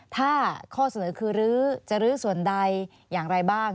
ถ้าข้อเสนอคือรื้อจะรื้อส่วนใดอย่างไรบ้าง